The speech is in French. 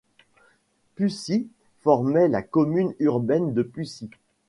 Püssi formait la Commune urbaine de Püssi.